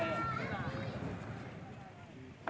evakuasi dari desa kurang lebih tujuh desa yang terdampak